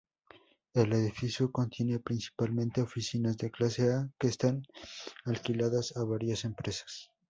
El edificio contiene principalmente oficinas de clase A que están alquiladas a varias empresas.